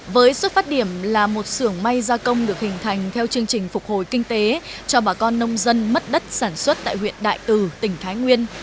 với xuất phát điểm là một sưởng may gia công được hình thành theo chương trình phục hồi kinh tế cho bà con nông dân mất đất sản xuất tại huyện đại từ tỉnh thái nguyên